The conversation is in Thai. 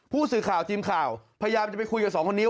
ผู้สื่อข่าวทีมข่าวพยายามจะไปคุยกับสองคนนี้